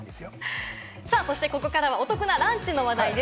ここからはお得なランチの話題です。